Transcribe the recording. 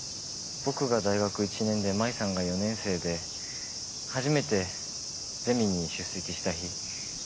僕が大学１年で真衣さんが４年生で初めてゼミに出席した日。